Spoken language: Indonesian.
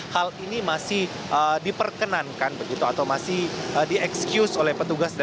hal ini masih diperkenankan begitu atau masih di excuse oleh petugas